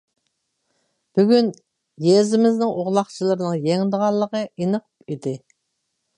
بۈگۈن يېزىمىزنىڭ ئوغلاقچىلىرىنىڭ يېڭىدىغانلىقى ئېنىق ئىدى.